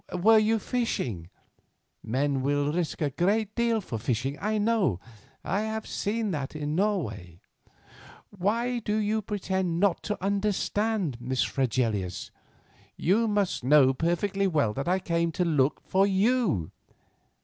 Were you fishing? Men will risk a great deal for fishing, I know, I have seen that in Norway." "Why do you pretend not to understand, Miss Fregelius? You must know perfectly well that I came to look for you."